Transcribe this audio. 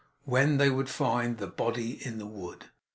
When they would find the body in the wood.